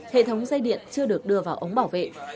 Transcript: hệ thống dây điện chưa được đưa vào ống bảo vệ